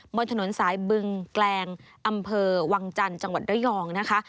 บนถนนสายบึงแกลงอำเภอวังจันทร์จังหวัดระยองนะคะ